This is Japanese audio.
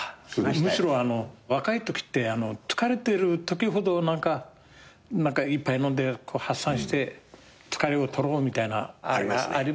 むしろ若いときって疲れてるときほど一杯飲んで発散して疲れを取ろうみたいな。ありますね。